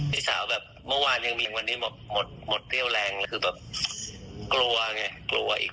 ติดสารแบบเมื่อวานยังมีเงี้ยมันทีม่อนหมดหมดเรี่ยวแรงคือแบบกลัวไงกลัวอีก